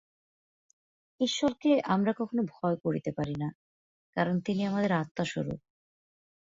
ঈশ্বরকে আমরা কখনও ভয় করিতে পারি না, কারণ তিনি আমাদের আত্মা-স্বরূপ।